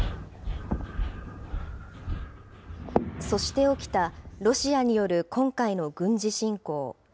そして起きた、ロシアによる今回の軍事侵攻。